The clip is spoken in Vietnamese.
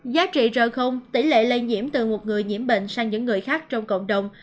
giá trị r tỷ lệ lây nhiễm từ một người nhiễm bệnh sang những người khác trong cộng đồng